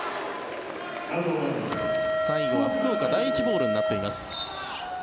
最後は福岡第一ボールになっています。